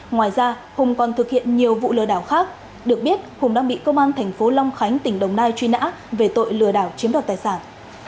ngoài ra hùng còn thực hiện nhiều vụ lừa đảo khác được biết hùng đang bị công an thành phố long khánh tỉnh đồng nai truy nã về tội lừa đảo chiếm đoạt tài sản